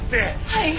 はい。